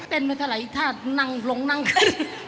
เป็นไปภาระอิทธาธิ์นั่งลงนั่งเฉิน